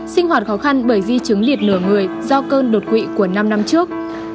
sinh hoạt khó khăn bởi di chứng liệt lửa người do cơn đột quỵ của năm năm trước